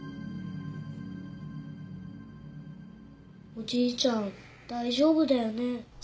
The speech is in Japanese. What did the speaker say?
おじいちゃん大丈夫だよね？